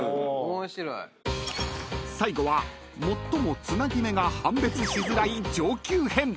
［最後は最もつなぎ目が判別しづらい上級編］